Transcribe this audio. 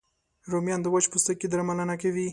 رومیان د وچ پوستکي درملنه کوي